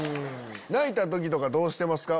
泣いた時とかどうしてますか？